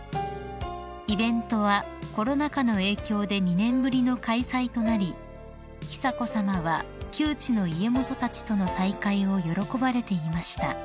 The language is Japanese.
［イベントはコロナ禍の影響で２年ぶりの開催となり久子さまは旧知の家元たちとの再会を喜ばれていました］